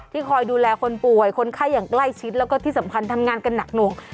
คอยดูแลคนป่วยคนไข้อย่างใกล้ชิดแล้วก็ที่สำคัญทำงานกันหนักหน่วง